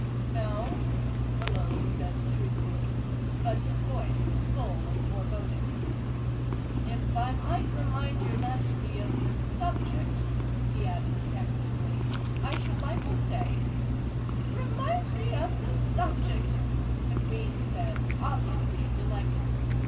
"No," Malone said truthfully, but his voice was full of foreboding. "If I might remind Your Majesty of the subject," he added tentatively, "I should like to say " "Remind me of the subject!" the Queen said, obviously delighted.